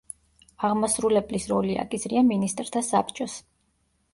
აღმასრულებლის როლი აკისრია მინისტრთა საბჭოს.